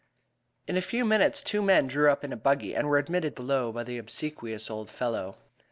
In a few minutes two men drew up in a buggy, and were admitted below by the obsequious old fellow.